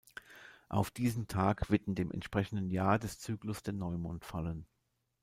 Auf diesen Tag wird in dem entsprechenden Jahr des Zyklus der Neumond fallen.